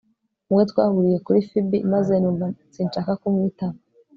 umwe twahuriye kuri fb maze numva sinshaka kumwitaba